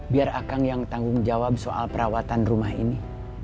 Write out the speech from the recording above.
biar akang yang tanggung jawab soal perawatan rumah ini